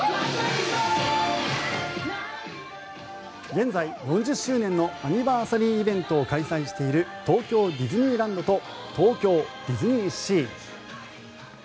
現在、４０周年のアニバーサリーイベントを開催している東京ディズニーランドと東京ディズニーシー。